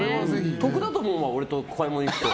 得だと思う、俺と買い物行くと。